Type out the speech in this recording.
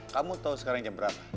kamu tahu sekarang jam berapa